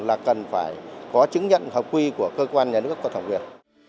là cần phải có chứng nhận hợp quy của cơ quan nhà nước và thổng viên